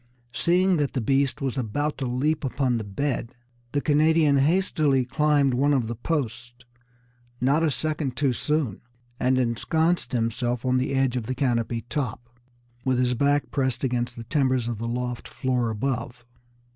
Seeing that the beast was about to leap upon the bed, the Canadian hastily climbed one of the posts, not a second too soon, and ensconced himself on the edge of the canopy top, with his back pressed against the timbers of the loft floor above.